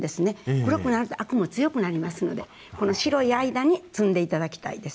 黒くなるとアクも強くなりますのでこの白い間に摘んで頂きたいです。